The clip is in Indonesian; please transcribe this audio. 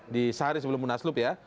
di sehari sebelum munaslup ya